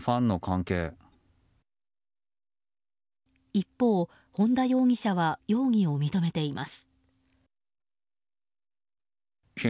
一方、本田容疑者は容疑を認めています。